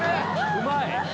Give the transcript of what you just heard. うまい！